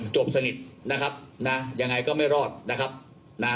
จมสนิทนะครับนะยังไงก็ไม่รอดนะครับนะ